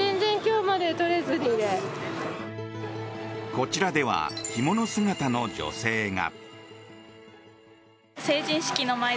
こちらでは着物姿の女性が。